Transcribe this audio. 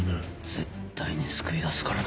絶対に救い出すからな。